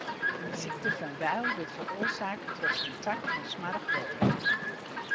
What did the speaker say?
De sykte fan Weil wurdt feroarsake troch kontakt mei smoarch wetter.